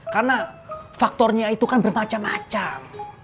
karena faktornya itu kan bermacam macam